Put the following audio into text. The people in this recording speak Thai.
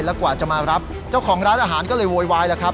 แล้วกว่าจะมารับเจ้าของร้านอาหารก็เลยโวยวายแล้วครับ